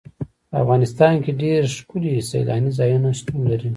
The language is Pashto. په افغانستان کې ډېر ښکلي سیلاني ځایونه شتون لري.